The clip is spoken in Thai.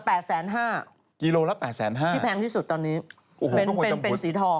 แปดแสนกิโลละแปดแสนห้าที่แพงที่สุดตอนนี้เป็นสีทอง